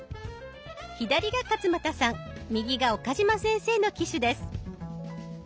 左が勝俣さん右が岡嶋先生の機種です。